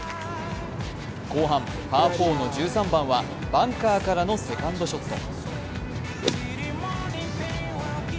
後半、パー４の１３番はバンカーからのセカンドショット。